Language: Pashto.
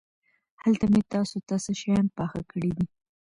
هلته مې تاسو ته څه شيان پاخه کړي دي.